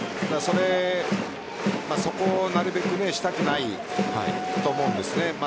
そこをなるべくしたくないと思うんです。